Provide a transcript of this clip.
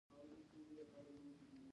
دویم شریک به د خرڅلاو لپاره مالونه لېږدول.